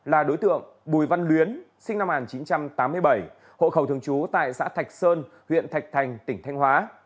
là đối tượng bùi văn luyến sinh năm một nghìn chín trăm tám mươi bảy hộ khẩu thường trú tại xã thạch sơn huyện thạch thành tỉnh thanh hóa